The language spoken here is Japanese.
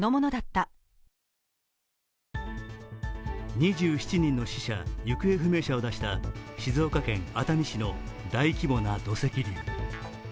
２７人の死者・行方不明者を出した静岡県熱海市の大規模な土石流。